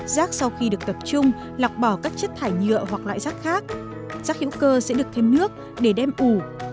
rác sau khi được tập trung lọc bỏ các chất thải nhựa hoặc loại rác khác rác hữu cơ sẽ được thêm nước để đem ủ